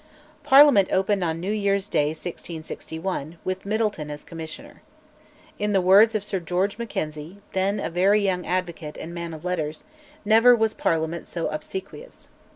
Parliament opened on New Year's Day 1661, with Middleton as Commissioner. In the words of Sir George Mackenzie, then a very young advocate and man of letters, "never was Parliament so obsequious."